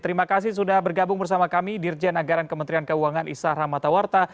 terima kasih sudah bergabung bersama kami dirjen agaran kementerian keuangan isahra matawarta